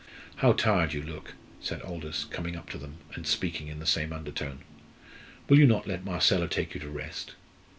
"How tired you look!" said Aldous, coming up to them, and speaking in the same undertone. "Will you not let Marcella take you to rest?"